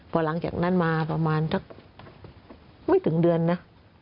พอหลังจากนั้นมาประมาณสักไม่ถึงเดือนนะ